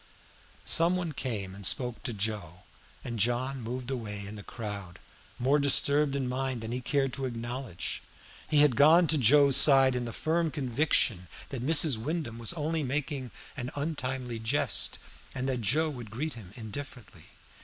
Some one came and spoke to Joe, and John moved away in the crowd, more disturbed in mind than he cared to acknowledge. He had gone to Joe's side in the firm conviction that Mrs. Wyndham was only making an untimely jest, and that Joe would greet him indifferently.